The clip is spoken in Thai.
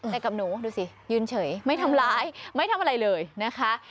แต่กับหนูดูสิยืนเฉยไม่ทำร้ายไม่ทำอะไรเลยนะคะ